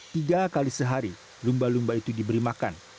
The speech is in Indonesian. tiga kali sehari lumba lumba itu diberi makan